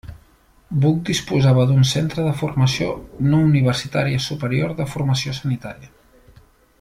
Buc disposava d'un centre de formació no universitària superior de formació sanitària.